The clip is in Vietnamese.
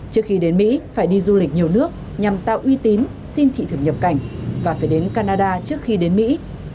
trước khi đến mỹ phải đi du lịch nhiều nước nhằm tạo uy tín xin thị thực nhập cảnh và phải đến canada trước khi đến mỹ